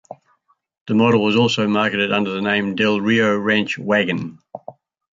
The model was also marketed under the name Del Rio Ranch Wagon.